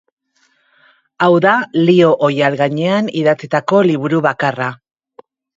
Hau da liho oihal gainean idatzitako liburu bakarra.